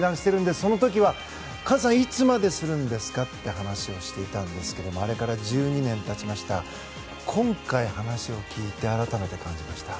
その時は、カズさんいつまでやるんですか？という話をしていたんですがあれから１２年経って今回話を聞いて改めて感じました。